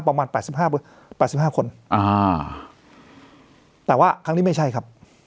ประมาณแปดสิบห้าแปดสิบห้าคนอ่าแต่ว่าครั้งนี้ไม่ใช่ครับ